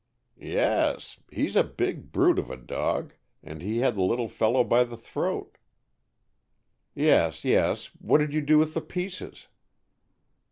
"Yes. He's a big brute of a dog, and he had the little fellow by the throat " "Yes, yes. What did you do with the pieces?"